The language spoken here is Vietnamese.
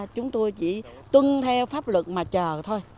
chúng tôi chỉ tuân theo pháp luật mà chờ thôi